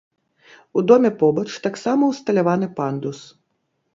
У доме побач таксама ўсталяваны пандус.